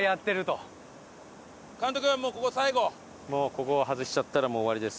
ここを外しちゃったらもう終わりです。